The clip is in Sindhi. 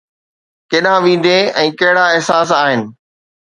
ڪيڏانهن ويندين ۽ ڪهڙا احساس آهن؟